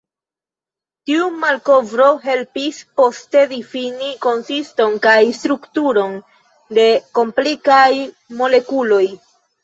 Tiu malkovro helpis poste difini konsiston kaj strukturon de komplikaj molekuloj.